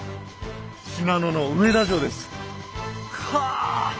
信濃の上田城です。かぁ！